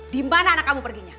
di mana anak kamu perginya